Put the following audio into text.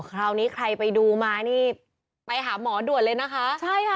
คราวนี้ใครไปดูมานี่ไปหาหมอด่วนเลยนะคะใช่ค่ะ